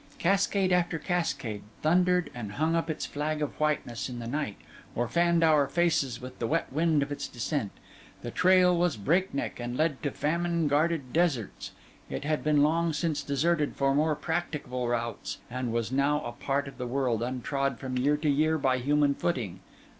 Cascade after cascade thundered and hung up its flag of whiteness in the night, or fanned our faces with the wet wind of its descent. The trail was breakneck, and led to famine guarded deserts; it had been long since deserted for more practicable routes; and it was now a part of the world untrod from year to year by human footing.